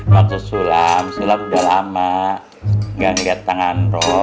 waktu sulam sulam udah lama enggak ngelihat tangan roh